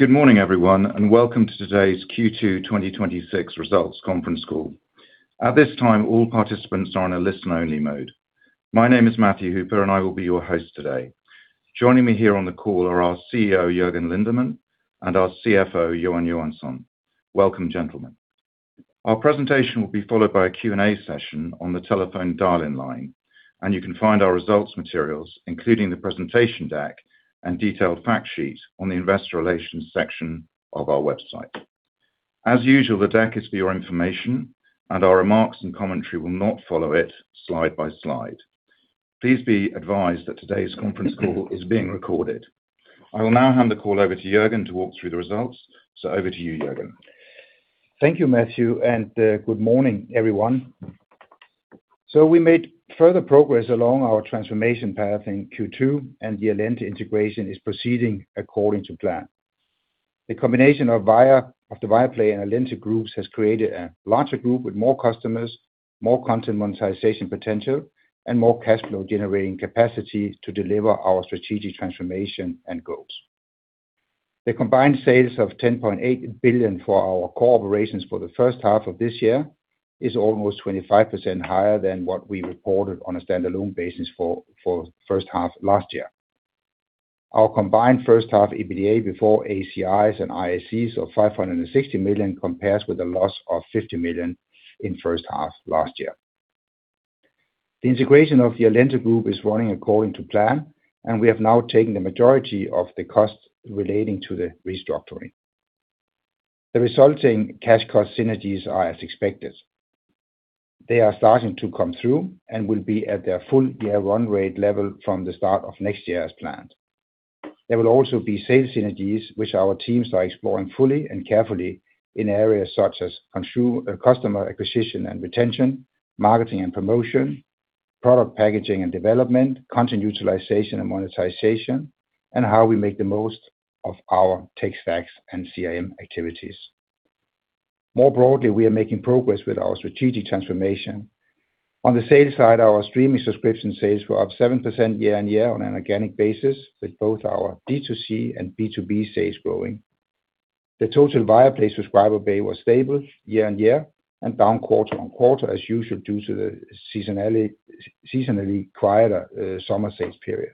Good morning, everyone, and welcome to today's Q2 2026 results conference call. At this time, all participants are in a listen-only mode. My name is Matthew Hooper, and I will be your host today. Joining me here on the call are our CEO, Jørgen Lindemann, and our CFO, Johan Johansson. Welcome, gentlemen. Our presentation will be followed by a Q&A session on the telephone dial-in line. You can find our results materials, including the presentation deck and detailed fact sheet on the investor relations section of our website. As usual, the deck is for your information. Our remarks and commentary will not follow it slide by slide. Please be advised that today's conference call is being recorded. I will now hand the call over to Jørgen to walk through the results. Over to you, Jørgen. Thank you, Matthew, and good morning, everyone. We made further progress along our transformation path in Q2. The Allente integration is proceeding according to plan. The combination of the Viaplay and Allente groups has created a larger group with more customers, more content monetization potential, and more cash flow-generating capacity to deliver our strategic transformation and goals. The combined sales of 10.8 billion for our core operations for the first half of this year is almost 25% higher than what we reported on a standalone basis for first half last year. Our combined first-half EBITDA before ACIs and IACs of 560 million compares with a loss of 50 million in first half last year. The integration of the Allente Group is running according to plan. We have now taken the majority of the costs relating to the restructuring. The resulting cash cost synergies are as expected. They are starting to come through and will be at their full year run rate level from the start of next year as planned. There will also be sales synergies, which our teams are exploring fully and carefully in areas such as customer acquisition and retention, marketing and promotion, product packaging and development, content utilization and monetization, and how we make the most of our tech stacks and CRM activities. More broadly, we are making progress with our strategic transformation. On the sales side, our streaming subscription sales were up 7% year-on-year on an organic basis, with both our D2C and B2B sales growing. The total Viaplay subscriber base was stable year-on-year and down quarter-on-quarter, as usual, due to the seasonally quieter summer sales period.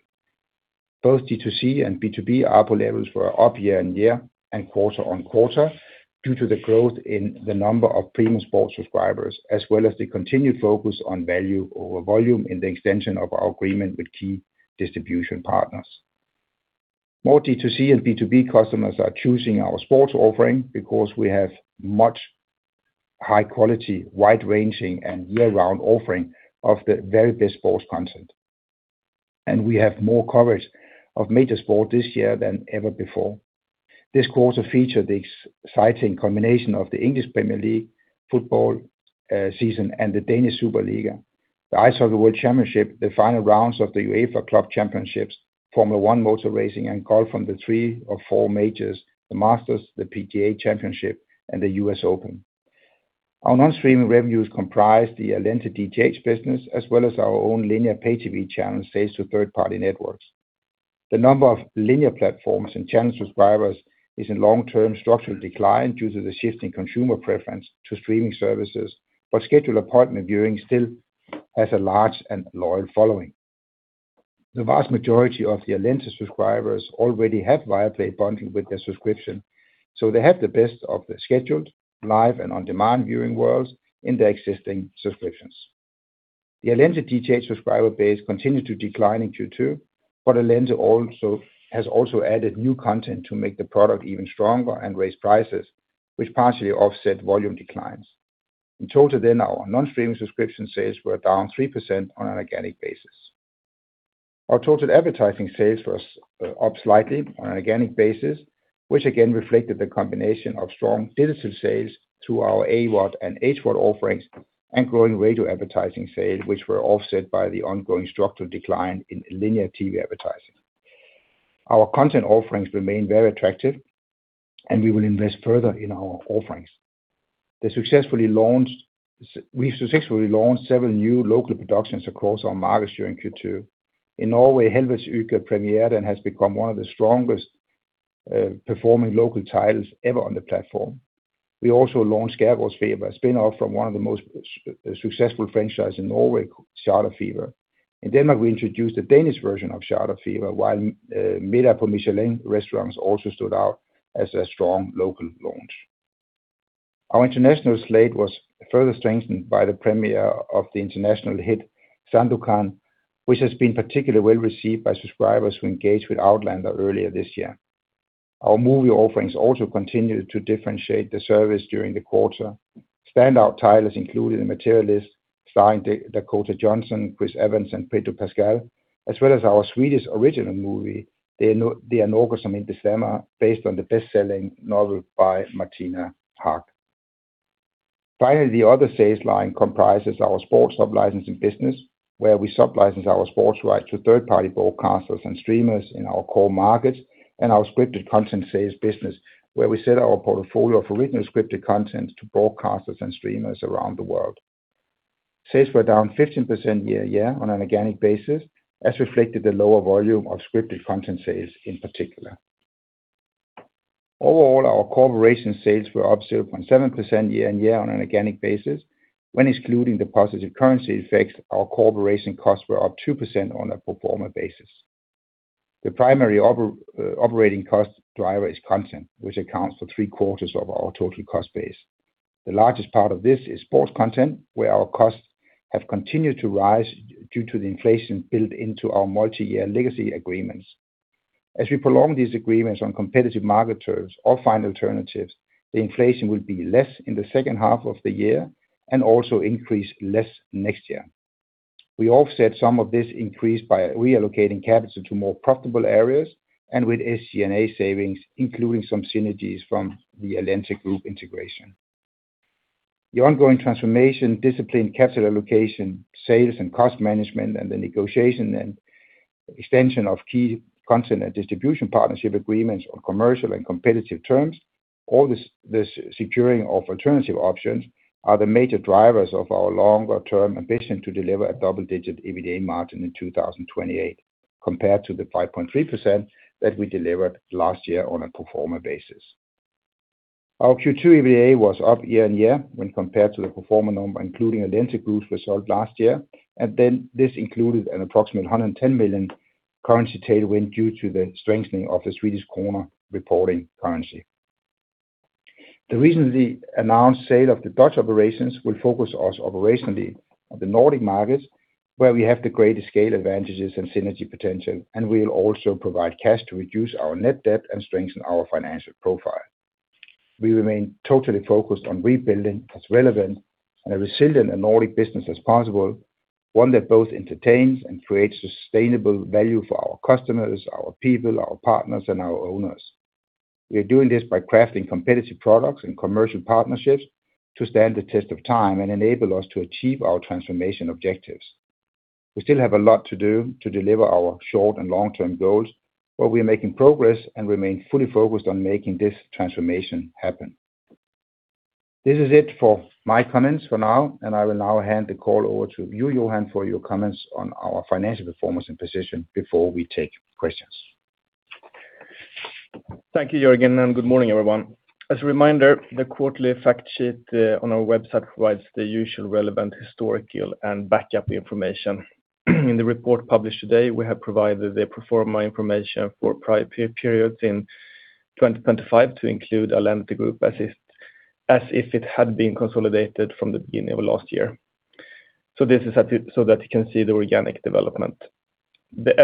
Both D2C and B2B ARPU levels were up year-on-year and quarter-on-quarter due to the growth in the number of premium sports subscribers, as well as the continued focus on value over volume in the extension of our agreement with key distribution partners. More D2C and B2B customers are choosing our sports offering because we have much high-quality, wide-ranging, and year-round offering of the very best sports content. We have more coverage of major sport this year than ever before. This quarter featured the exciting combination of the English Premier League football season and the Danish Superliga, the Ice Hockey World Championships, the final rounds of the UEFA Club championships, Formula One motor racing, and golf from the three of four majors, the Masters, the PGA Championship, and the U.S. Open. Our non-streaming revenues comprise the Allente DTH business as well as our own linear pay TV channel sales to third-party networks. Scheduled appointment viewing still has a large and loyal following. The number of linear platforms and channel subscribers is in long-term structural decline due to the shifting consumer preference to streaming services. The vast majority of the Allente subscribers already have Viaplay bundled with their subscription, so they have the best of the scheduled, live, and on-demand viewing worlds in their existing subscriptions. The Allente DTH subscriber base continued to decline in Q2. Allente has also added new content to make the product even stronger and raise prices, which partially offset volume declines. In total, our non-streaming subscription sales were down 3% on an organic basis. Our total advertising sales was up slightly on an organic basis, which again reflected the combination of strong digital sales through our AVOD and HVOD offerings and growing radio advertising sales, which were offset by the ongoing structural decline in linear TV advertising. Our content offerings remain very attractive, and we will invest further in our offerings. We successfully launched several new local productions across our markets during Q2. In Norway, "Helvetesuka" premiered and has become one of the strongest performing local titles ever on the platform. We also launched "Skjærgårdsfeber," a spin-off from one of the most successful franchises in Norway, "Charterfeber." In Denmark, we introduced the Danish version of "Charterfeber," while "Middag på Michelin-restauranterne" also stood out as a strong local launch. Our international slate was further strengthened by the premiere of the international hit, "Sandokan," which has been particularly well-received by subscribers who engaged with "Outlander" earlier this year. Our movie offerings also continued to differentiate the service during the quarter. Standout titles included "The Materialists," starring Dakota Johnson, Chris Evans, and Pedro Pascal, as well as our Swedish original movie, "Det är något som inte stämmer," based on the best-selling novel by Martina Haag. The other sales line comprises our sports licensing business, where we sub-license our sports rights to third-party broadcasters and streamers in our core markets, and our scripted content sales business, where we sell our portfolio of original scripted content to broadcasters and streamers around the world. Sales were down 15% year-over-year on an organic basis, as reflected the lower volume of scripted content sales in particular. Overall, our core operations sales were up 0.7% year-over-year on an organic basis. When excluding the positive currency effects, our core operations costs were up 2% on a pro forma basis. The primary operating cost driver is content, which accounts for three quarters of our total cost base. The largest part of this is sports content, where our costs have continued to rise due to the inflation built into our multi-year legacy agreements. As we prolong these agreements on competitive market terms or find alternatives, the inflation will be less in the second half of the year and also increase less next year. We offset some of this increase by reallocating capital to more profitable areas and with SGA savings, including some synergies from the Allente Group integration. The ongoing transformation, discipline, capital allocation, sales and cost management, and the negotiation and extension of key content and distribution partnership agreements on commercial and competitive terms. All the securing of alternative options are the major drivers of our longer-term ambition to deliver a double-digit EBITDA margin in 2028, compared to the 5.3% that we delivered last year on a pro forma basis. Our Q2 EBITDA was up year-on-year when compared to the pro forma number, including Allente Group result last year, and then this included an approximate 110 million currency tailwind due to the strengthening of the Swedish krona reporting currency. The recently announced sale of the Dutch operations will focus us operationally on the Nordic markets, where we have the greatest scale advantages and synergy potential, and we will also provide cash to reduce our net debt and strengthen our financial profile. We remain totally focused on rebuilding as relevant and a resilient Nordic business as possible, one that both entertains and creates sustainable value for our customers, our people, our partners, and our owners. We are doing this by crafting competitive products and commercial partnerships to stand the test of time and enable us to achieve our transformation objectives. We still have a lot to do to deliver our short and long-term goals, but we are making progress and remain fully focused on making this transformation happen. This is it for my comments for now, and I will now hand the call over to you, Johan, for your comments on our financial performance and position before we take questions. Thank you, Jørgen, and good morning, everyone. As a reminder, the quarterly fact sheet on our website provides the usual relevant historical and backup information. In the report published today, we have provided the pro forma information for prior periods in 2025 to include Allente Group as if it had been consolidated from the beginning of last year. This is so that you can see the organic development. The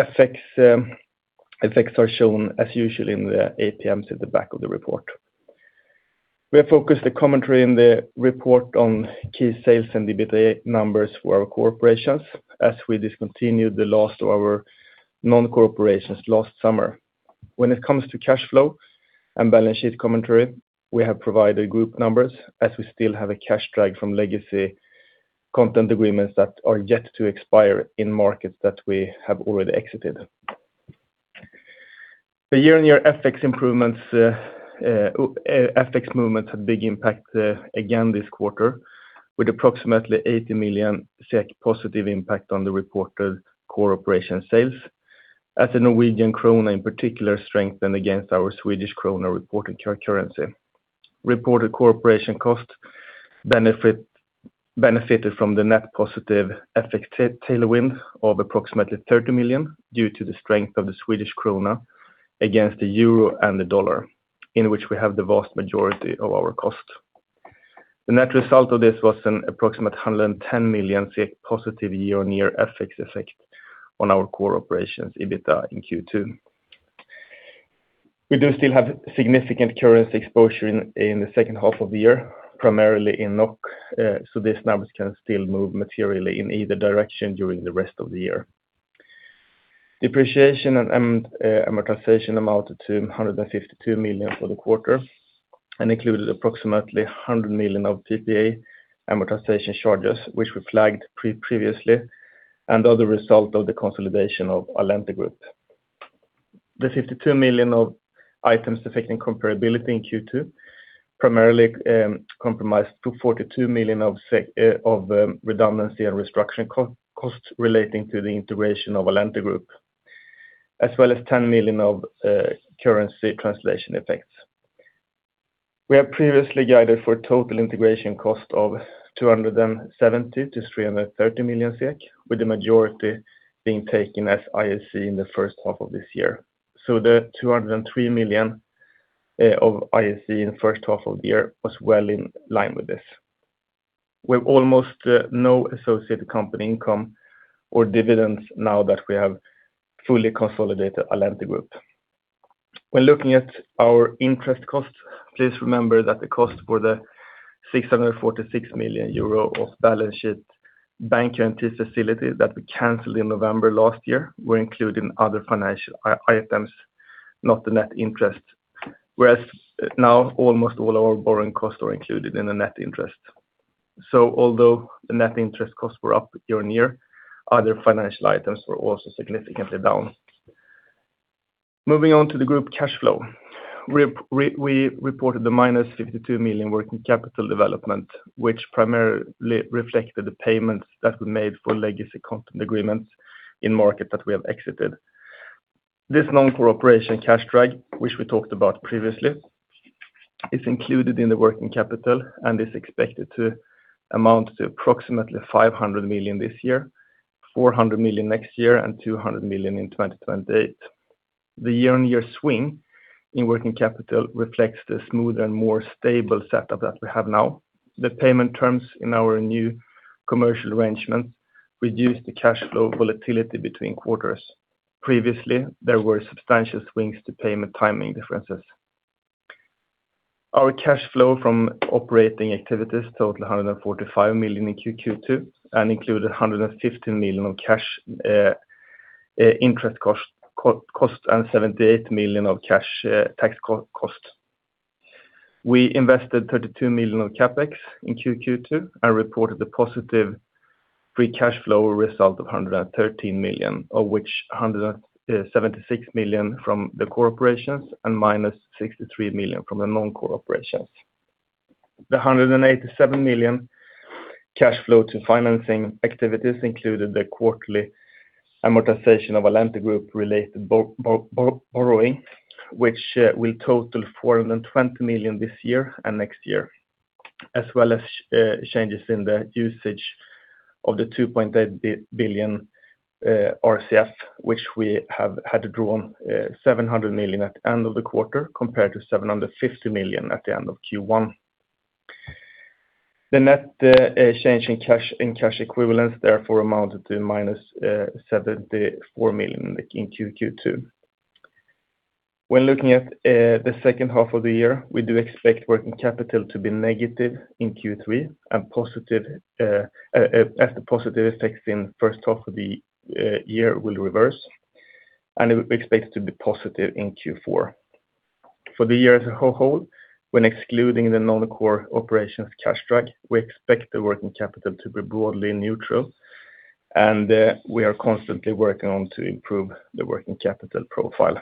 effects are shown as usual in the APMs at the back of the report. We have focused the commentary in the report on key sales and EBITDA numbers for our core operations as we discontinued the last of our non-core operations last summer. When it comes to cash flow and balance sheet commentary, we have provided group numbers as we still have a cash drag from legacy content agreements that are yet to expire in markets that we have already exited. The year-on-year FX movements had big impact again this quarter, with approximately 80 million SEK positive impact on the reported core operation sales as the Norwegian kroner in particular strengthened against our Swedish krona reported currency. Reported core operations cost benefited from the net positive FX tailwind of approximately 30 million due to the strength of the Swedish krona against the EUR and the dollar, in which we have the vast majority of our cost. The net result of this was an approximate 110 million positive year-on-year FX effect on our core operations EBITDA in Q2. We do still have significant currency exposure in the second half of the year, primarily in NOK, so these numbers can still move materially in either direction during the rest of the year. Depreciation and amortization amounted to 152 million for the quarter and included approximately 100 million of PPA amortization charges, which we flagged previously and are the result of the consolidation of Allente Group. The 52 million of Items Affecting Comparability in Q2 primarily comprised 242 million of redundancy and restructuring costs relating to the integration of Allente Group, as well as 10 million of currency translation effects. We have previously guided for total integration cost of 270 million-330 million SEK, with the majority being taken as IAC in the first half of this year. The 203 million of IAC in the first half of the year was well in line with this. We have almost no associated company income or dividends now that we have fully consolidated Allente Group. When looking at our interest costs, please remember that the cost for the 646 million euro of balance sheet bank guarantee facility that we canceled in November last year were included in other financial items, not the net interest. Whereas now almost all our borrowing costs are included in the net interest. Although the net interest costs were up year-on-year, other financial items were also significantly down. Moving on to the group cash flow. We reported the minus 52 million working capital development, which primarily reflected the payments that we made for legacy content agreements in market that we have exited. This Non-Core Operation cash drag, which we talked about previously, is included in the working capital and is expected to amount to approximately 500 million this year, 400 million next year and 200 million in 2028. The year-on-year swing in working capital reflects the smoother and more stable setup that we have now. The payment terms in our new commercial arrangements reduce the cash flow volatility between quarters. Previously, there were substantial swings to payment timing differences. Our cash flow from operating activities totaled 145 million in Q2, and included 115 million of cash interest cost, and 78 million of cash tax cost. We invested 32 million of CapEx in Q2, and reported the positive free cash flow result of 113 million, of which 176 million from the Core Operations and minus 63 million from the Non-Core Operations. The 187 million cash flow to financing activities included the quarterly amortization of Allente Group related borrowing, which will total 420 million this year and next year. This included changes in the usage of the 2.8 billion RCF, which we have had to draw on 700 million at the end of the quarter compared to 750 million at the end of Q1. The net change in cash equivalents therefore amounted to -74 million in Q2. When looking at the second half of the year, we do expect working capital to be negative in Q3 and as the positive effects in first half of the year will reverse, and we expect it to be positive in Q4. For the year as a whole, when excluding the Non-Core Operations cash drag, we expect the working capital to be broadly neutral and we are constantly working on to improve the working capital profile.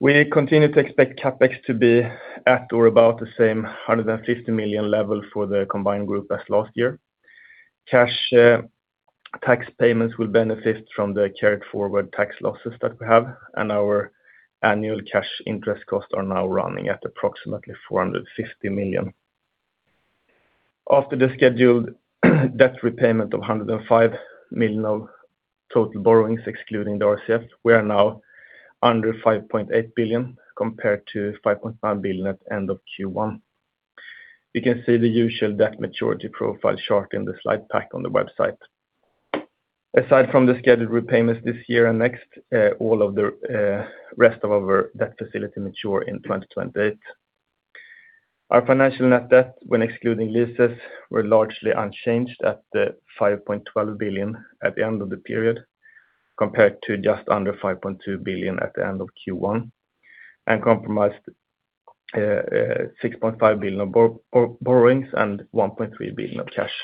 We continue to expect CapEx to be at or about the same 150 million level for the combined group as last year. Cash tax payments will benefit from the carried forward tax losses that we have, and our annual cash interest costs are now running at approximately 450 million. After the scheduled debt repayment of 105 million of total borrowings excluding the RCF, we are now under 5.8 billion compared to 5.9 billion at end of Q1. You can see the usual debt maturity profile chart in the slide pack on the website. Aside from the scheduled repayments this year and next, all of the rest of our debt facility mature in 2028. Our financial net debt, when excluding leases, were largely unchanged at 5.12 billion at the end of the period compared to just under 5.2 billion at the end of Q1, and comprised 6.5 billion of borrowings and 1.3 billion of cash.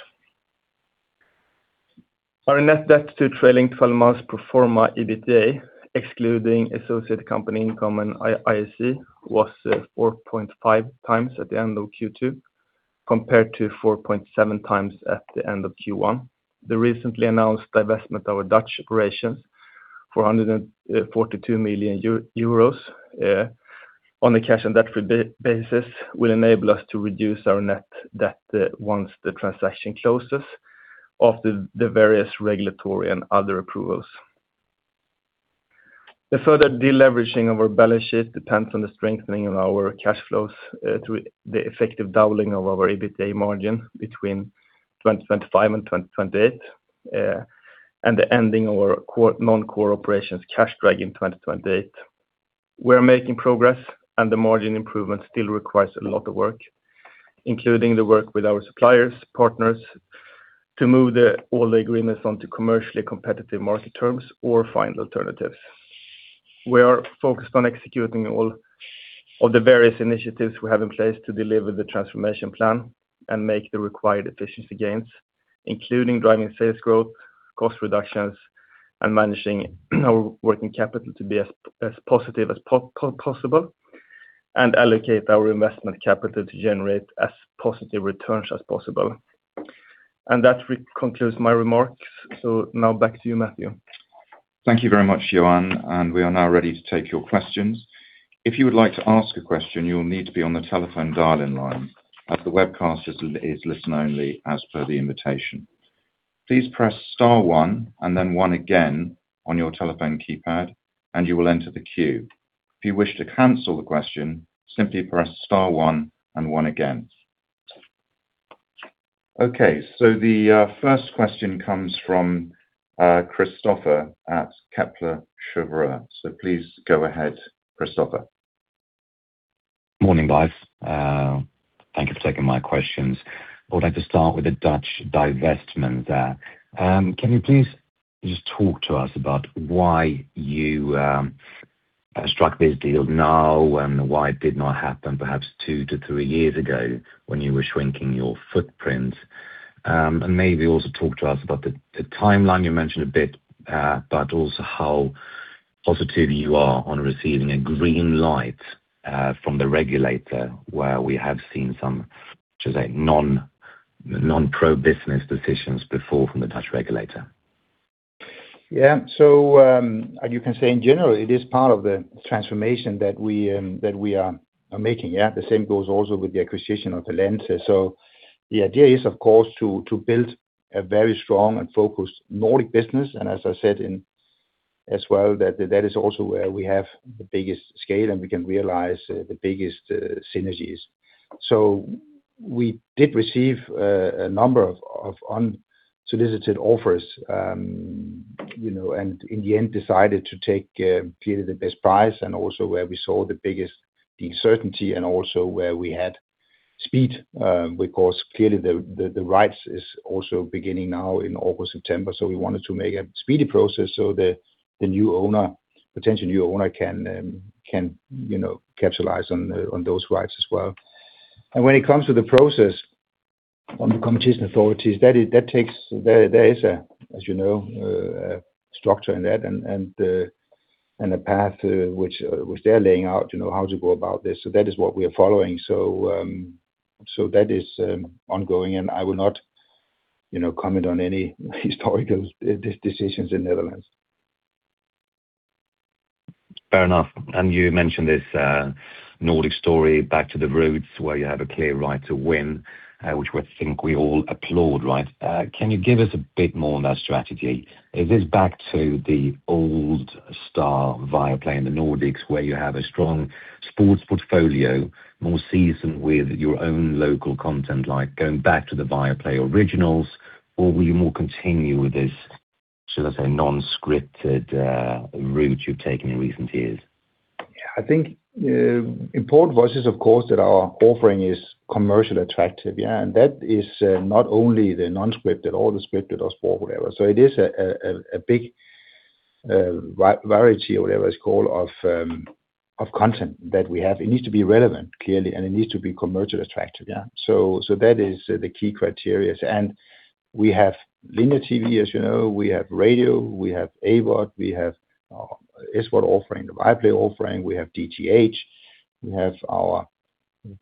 Our net debt to trailing 12 months pro forma EBITDA, excluding associate company income and IAC was 4.5x at the end of Q2 compared to 4.7x at the end of Q1. The recently announced divestment of our Dutch operations for 142 million euros on a cash and debt-free basis will enable us to reduce our net debt once the transaction closes after the various regulatory and other approvals. The further de-leveraging of our balance sheet depends on the strengthening of our cash flows through the effective doubling of our EBITDA margin between 2025 and 2028, and the ending of our non-core operations cash drag in 2028. We are making progress and the margin improvement still requires a lot of work, including the work with our suppliers, partners to move all the agreements onto commercially competitive market terms or find alternatives. We are focused on executing all of the various initiatives we have in place to deliver the transformation plan and make the required efficiency gains, including driving sales growth, cost reductions, and managing our working capital to be as positive as possible and allocate our investment capital to generate as positive returns as possible. That concludes my remarks. So now back to you, Matthew. Thank you very much, Johan, and we are now ready to take your questions. If you would like to ask a question, you will need to be on the telephone dial-in line as the webcast is listen only as per the invitation. Please press star one and then one again on your telephone keypad and you will enter the queue. If you wish to cancel the question, simply press star one and one again. The first question comes from Christopher at Kepler Cheuvreux. Please go ahead, Christopher. Morning, guys. Thank you for taking my questions. I would like to start with the Dutch divestment there. Can you please just talk to us about why you struck this deal now and why it did not happen perhaps two to three years ago when you were shrinking your footprint. Maybe also talk to us about the timeline you mentioned a bit, but also how positive you are on receiving a green light from the regulator, where we have seen some, should say, non-pro-business decisions before from the Dutch regulator. Yeah. As you can say, in general, it is part of the transformation that we are making, yeah? The same goes also with the acquisition of Allente. The idea is, of course, to build a very strong and focused Nordic business. As I said as well, that is also where we have the biggest scale, and we can realize the biggest synergies. We did receive a number of unsolicited offers and in the end decided to take clearly the best price and also where we saw the biggest certainty and also where we had speed. Clearly the rights is also beginning now in August, September. We wanted to make a speedy process so the potential new owner can capitalize on those rights as well. When it comes to the process on the competition authorities, there is, as you know, structure in that and the path which they're laying out, how to go about this. That is what we are following. That is ongoing, and I will not comment on any historical decisions in Netherlands. Fair enough. You mentioned this Nordic story, back to the roots where you have a clear right to win, which I think we all applaud, right? Can you give us a bit more on that strategy? Is this back to the old star Viaplay in the Nordics, where you have a strong sports portfolio, more seasoned with your own local content, like going back to the Viaplay originals, or will you more continue with this, should I say, non-scripted route you've taken in recent years? I think important for us, of course, that our offering is commercial attractive. That is not only the non-scripted or the scripted or sport, whatever. It is a big variety, or whatever it is called, of content that we have. It needs to be relevant, clearly, and it needs to be commercial attractive. That is the key criteria. We have linear TV, as you know, we have radio, we have AVOD, we have sport offering, the Viaplay offering, we have DTH, we have our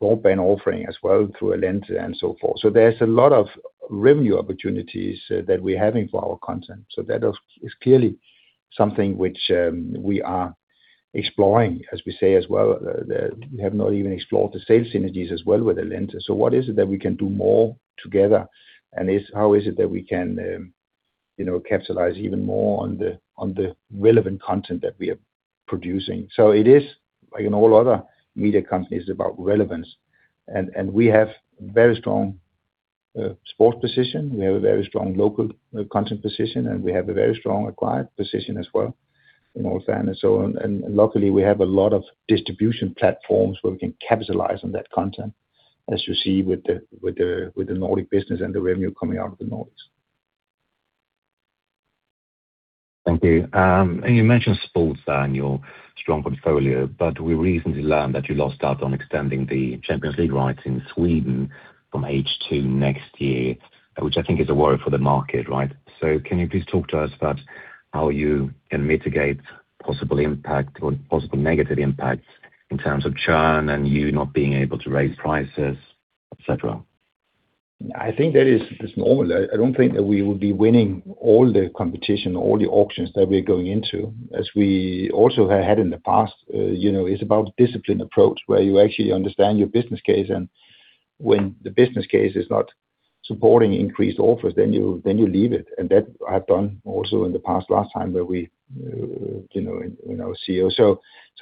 broadband offering as well through Allente and so forth. There is a lot of revenue opportunities that we are having for our content. That is clearly something which we are exploring, as we say as well, that we have not even explored the sales synergies as well with Allente. What is it that we can do more together? How is it that we can capitalize even more on the relevant content that we are producing? It is, like in all other media companies, about relevance, and we have very strong sports position. We have a very strong local content position, and we have a very strong acquired position as well from Nordland and so on. Luckily, we have a lot of distribution platforms where we can capitalize on that content, as you see with the Nordic business and the revenue coming out of the Nordics. Thank you. You mentioned sports and your strong portfolio, but we recently learned that you lost out on extending the UEFA Champions League rights in Sweden from H2 next year, which I think is a worry for the market, right? Can you please talk to us about how you can mitigate possible impact or possible negative impacts in terms of churn and you not being able to raise prices, et cetera? I think that is just normal. I do not think that we will be winning all the competition, all the auctions that we are going into, as we also have had in the past. It is about discipline approach where you actually understand your business case, when the business case is not supporting increased offers, then you leave it. That I have done also in the past last time where we see.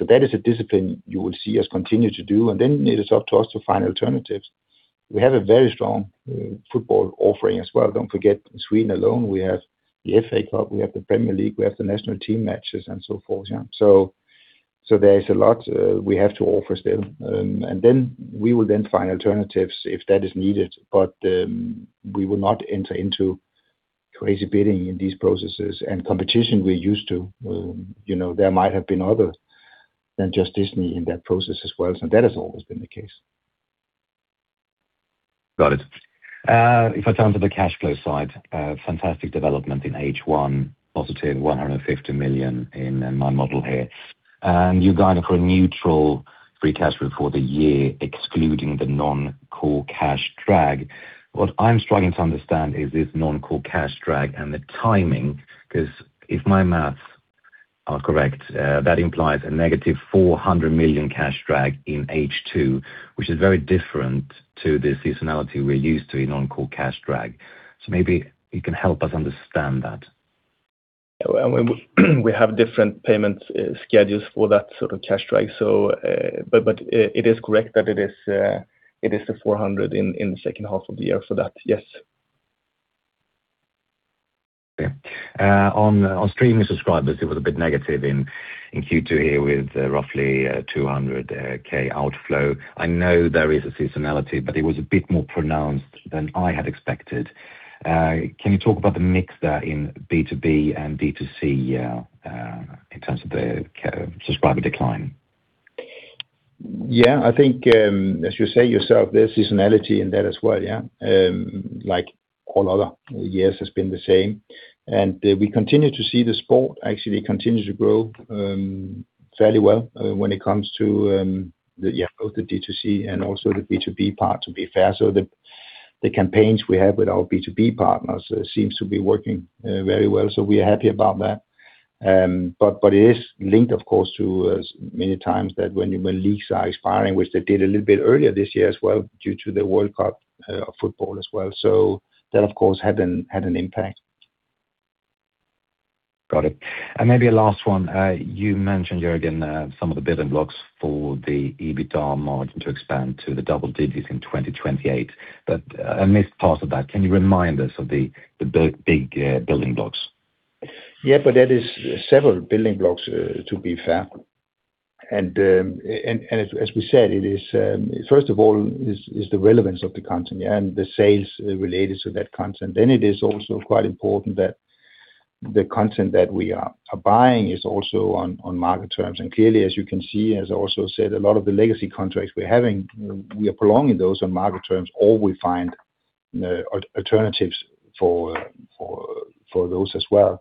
That is a discipline you will see us continue to do, and then it is up to us to find alternatives. We have a very strong football offering as well. Do not forget, in Sweden alone, we have the FA Cup, we have the Premier League, we have the national team matches and so forth. There is a lot we have to offer still. Then we will then find alternatives if that is needed. We will not enter into crazy bidding in these processes and competition we're used to. There might have been others than just Disney in that process as well, that has always been the case. Got it. If I turn to the cash flow side, fantastic development in H1, positive 150 million in my model here. You're guiding for a neutral free cash flow for the year, excluding the non-core cash drag. What I'm struggling to understand is this non-core cash drag and the timing, because if my maths are correct, that implies a -400 million cash drag in H2, which is very different to the seasonality we're used to in non-core cash drag. Maybe you can help us understand that. We have different payment schedules for that sort of cash drag. It is correct that it is the 400 in the second half of the year for that. Yes. Okay. On streaming subscribers, it was a bit negative in Q2 here with roughly 200,000 outflow. I know there is a seasonality, but it was a bit more pronounced than I had expected. Can you talk about the mix there in B2B and B2C in terms of the subscriber decline? I think as you say yourself, there's seasonality in that as well. Like all other years has been the same. We continue to see the sport actually continue to grow fairly well when it comes to both the D2C and also the B2B part to be fair. The campaigns we have with our B2B partners seems to be working very well, so we are happy about that. It is linked, of course, to as many times that when your leagues are expiring, which they did a little bit earlier this year as well due to the World Cup football as well. That, of course, had an impact. Got it. Maybe a last one. You mentioned, Jørgen, some of the building blocks for the EBITDA margin to expand to the double digits in 2028, but I missed part of that. Can you remind us of the big building blocks? That is several building blocks, to be fair. As we said, first of all is the relevance of the content, and the sales related to that content. It is also quite important that the content that we are buying is also on market terms. Clearly, as you can see, as I also said, a lot of the legacy contracts we're having, we are prolonging those on market terms, or we find alternatives for those as well.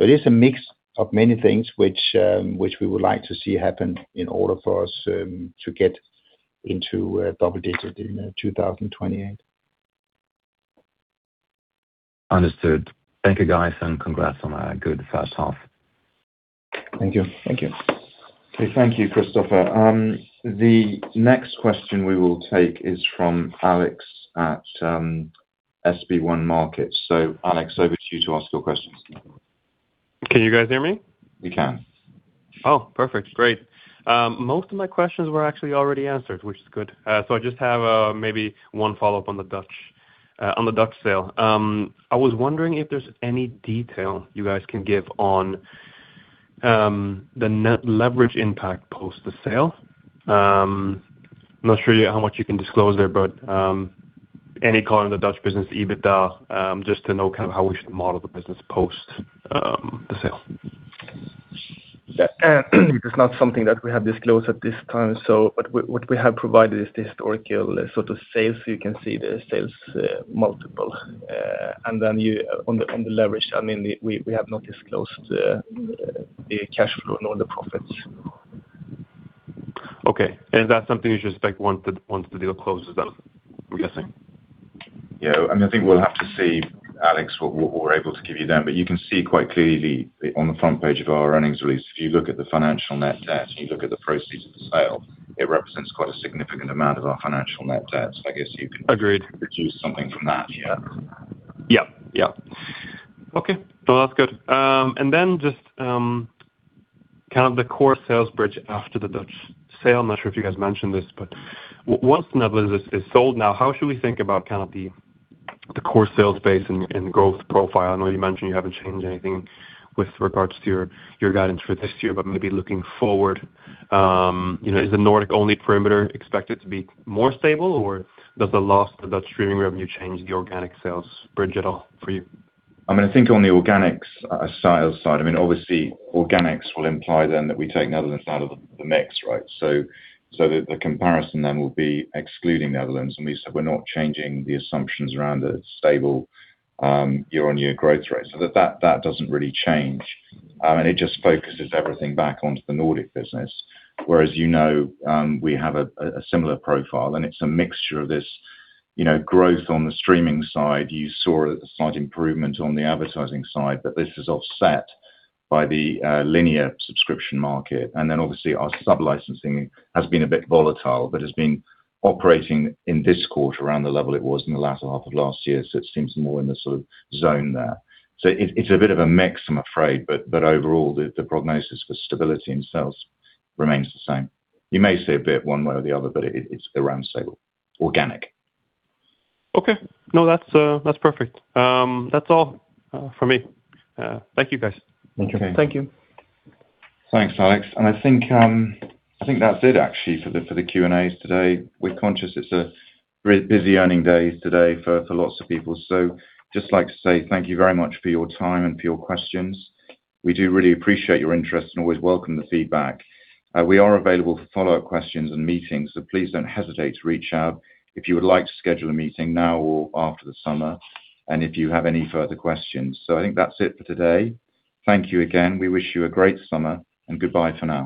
It is a mix of many things which we would like to see happen in order for us to get into double digits in 2028. Understood. Thank you, guys, and congrats on a good first half. Thank you. Thank you. Okay. Thank you, Christopher. The next question we will take is from Alex at SB1 Markets. Alex, over to you to ask your questions. Can you guys hear me? We can. Oh, perfect. Great. Most of my questions were actually already answered, which is good. I just have maybe one follow-up on the Dutch Sale. I was wondering if there is any detail you guys can give on the net leverage impact post the Sale. I am not sure how much you can disclose there, but any color on the Dutch business EBITDA, just to know how we should model the business post the Sale. It is not something that we have disclosed at this time. What we have provided is the historical sort of sales, so you can see the sales multiple. On the leverage, we have not disclosed the cash flow nor the profits. Okay. Is that something we should expect once the deal closes then, I am guessing? Yeah. I think we'll have to see, Alex, what we're able to give you then. You can see quite clearly on the front page of our earnings release, if you look at the financial net debt and you look at the proceeds of the sale, it represents quite a significant amount of our financial net debt. I guess you can- Agreed. Deduce something from that, yeah. Yep. Okay. That's good. Just the core sales bridge after the Dutch sale. I'm not sure if you guys mentioned this, but once Netherlands is sold now, how should we think about the core sales base and growth profile? I know you mentioned you haven't changed anything with regards to your guidance for this year, but maybe looking forward. Is the Nordic-only perimeter expected to be more stable, or does the loss of the Dutch streaming revenue change the organic sales bridge at all for you? I think on the organics side, obviously organics will imply then that we take Netherlands out of the mix, right? The comparison then will be excluding Netherlands, and we said we're not changing the assumptions around a stable year-on-year growth rate. That doesn't really change. It just focuses everything back onto the Nordic business. We have a similar profile, and it's a mixture of this growth on the streaming side. You saw a slight improvement on the advertising side, but this is offset by the linear subscription market. Obviously our sub-licensing has been a bit volatile, but has been operating in this quarter around the level it was in the latter half of last year. It seems more in the sort of zone there. It's a bit of a mix, I'm afraid, but overall, the prognosis for stability in sales remains the same. You may see a bit one way or the other, but it's around stable, organic. Okay. That's perfect. That's all for me. Thank you, guys. Okay. Thank you. Thanks, Alex. I think that's it actually for the Q&As today. We're conscious it's a busy earning day today for lots of people. Just like to say thank you very much for your time and for your questions. We do really appreciate your interest and always welcome the feedback. We are available for follow-up questions and meetings, so please don't hesitate to reach out if you would like to schedule a meeting now or after the summer, and if you have any further questions. I think that's it for today. Thank you again. We wish you a great summer, and goodbye for now